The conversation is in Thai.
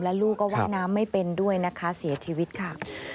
ลูกก็ว่ายน้ำไม่เป็นด้วยนะคะเสียชีวิตค่ะ